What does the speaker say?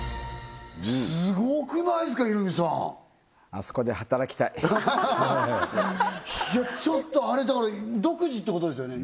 すごくないですかヒロミさんあそこで働きたいちょっとあれだから独自ってことですよね？